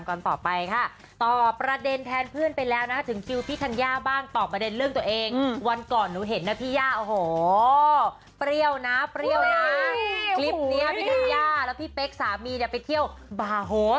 คลิปนี้พี่ธัญญาแล้วพี่เป๊กสามีเนี่ยไปเที่ยวบ่าโฮส